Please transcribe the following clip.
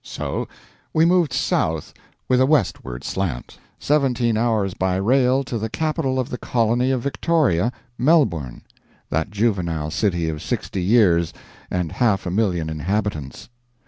So we moved south with a westward slant, 17 hours by rail to the capital of the colony of Victoria, Melbourne that juvenile city of sixty years, and half a million inhabitants.